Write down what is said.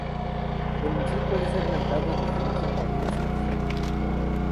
El misil puede ser lanzado desde un submarino sumergido.